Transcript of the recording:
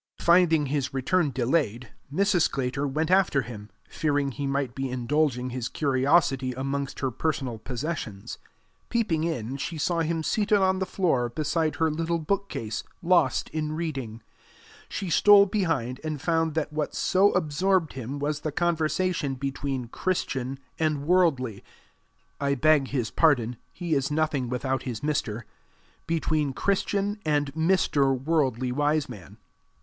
Finding his return delayed, Mrs. Sclater went after him, fearing he might be indulging his curiosity amongst her personal possessions. Peeping in, she saw him seated on the floor beside her little bookcase, lost in reading: she stole behind, and found that what so absorbed him was the conversation between Christian and Worldly I beg his pardon, he is nothing without his Mr. between Christian and Mr. Worldly Wiseman.